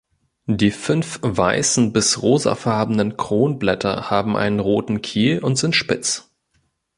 Die fünf weißen bis rosafarbenen Kronblätter haben einen roten Kiel und sind spitz.